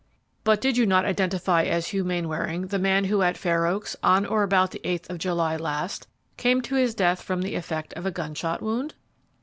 "But did you not identify as Hugh Mainwaring the man who, at Fair Oaks, on or about the eighth of July last, came to his death from the effect of a gunshot wound?"